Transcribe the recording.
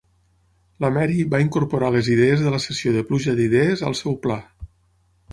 La Mary va incorporar les idees de la sessió de pluja d'idees al seu pla.